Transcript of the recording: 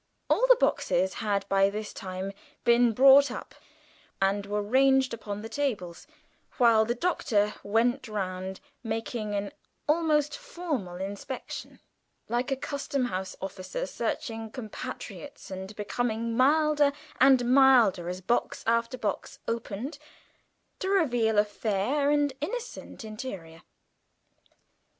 All the boxes had by this time been brought up, and were ranged upon the tables, while the Doctor went round, making an almost formal inspection, like a Custom House officer searching compatriots, and becoming milder and milder as box after box opened to reveal a fair and innocent interior.